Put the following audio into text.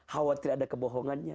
hawa tidak ada kebohongannya